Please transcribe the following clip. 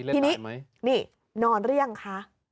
ทีนี้นี่นอนหรือยังคะ